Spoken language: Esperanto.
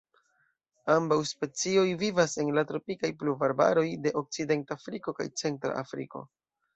Ambaŭ specioj vivas en la tropikaj pluvarbaroj de Okcidentafriko kaj Centra Afriko.